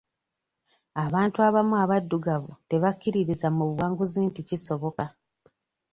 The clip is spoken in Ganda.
Abantu abamu abaddugavu tebakkiririza mu buwanguzi nti kisoboka.